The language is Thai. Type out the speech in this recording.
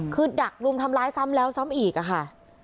คือดักรุมทำร้ายซ้ำแล้วซ้ำอีกอะค่ะ